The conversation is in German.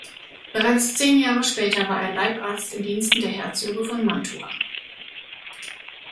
Bereits zehn Jahre später war er Leibarzt in Diensten der Herzöge von Mantua.